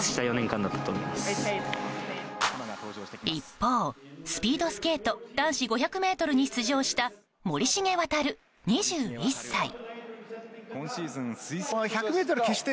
一方、スピードスケート男子５００ｍに出場した森重航、２１歳。